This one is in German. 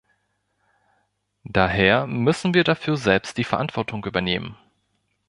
Daher müssen wir dafür selbst die Verantwortung übernehmen.